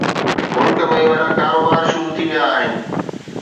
ملڪ ۾ وڏا ڪاروبار شروع ٿي ويا آهن